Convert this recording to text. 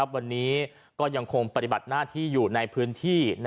วันนี้ก็ยังคงปฏิบัติหน้าที่อยู่ในพื้นที่